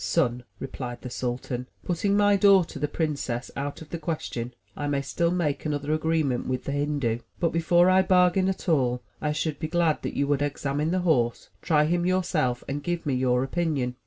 "Son," replied the sultan, "putting my daughter, the princess out of the question, I may still make another agreement with the Hindu. But before I bargain at all, I should be glad that you would examine the horse, try him yourself and give me your opinion."